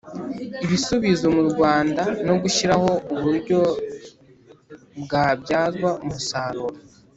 Ibisubizo Mu Rwanda No Gushyiraho Uburyo Bwabyazwa Umusaruro